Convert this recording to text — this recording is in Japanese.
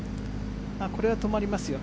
これは止まりますよ。